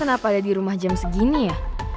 kenapa ada di rumah jam segini ya